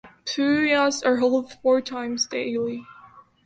Pujas are held four times daily.